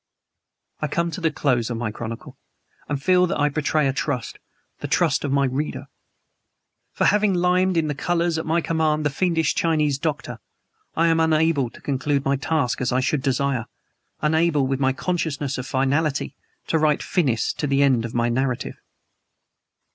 I come to the close of my chronicle, and feel that I betray a trust the trust of my reader. For having limned in the colors at my command the fiendish Chinese doctor, I am unable to conclude my task as I should desire, unable, with any consciousness of finality, to write Finis to the end of my narrative.